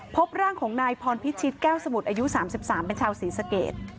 พบร่างของนายพรพิชิตแก้วสมุทรอายุ๓๓เป็นชาวศรีสเกต